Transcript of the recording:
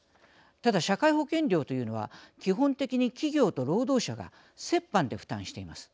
ただ社会保険料というのは基本的に企業と労働者が折半で負担しています。